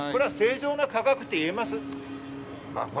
正常な価格といえます？